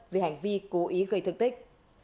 về hành vi cố ý gây thực tích